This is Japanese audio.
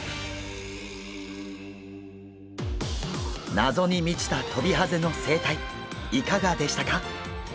謎に満ちたトビハゼの生態いかがでしたか？